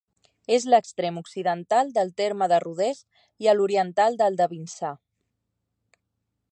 És l'extrem occidental del terme de Rodés i a l'oriental del de Vinçà.